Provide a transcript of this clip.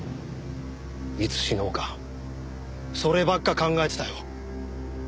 いつ死のうかそればっか考えてたよ。